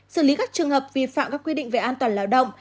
xử lý các trường hợp vi phạm các quy định về an toàn lao động